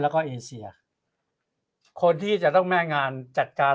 แล้วก็เอเซียคนที่จะต้องแม่งานจัดการ